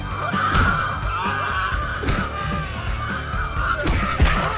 tapi kita kan mau ke rumah bubun